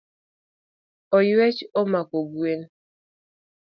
Oyuech omako gwen.